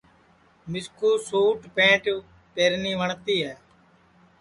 مِسکُو سُٹ پنٚٹ پہرنی وٹؔتی ہے